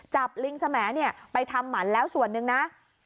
จับลิงแสมนี่ไปทำหมันแล้วส่วนหนึ่งนะ